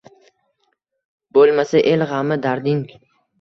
Bo’lmasa el g’ami — darding